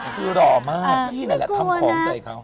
คือหล่อมากพี่นั่นแหละทำของใส่เขา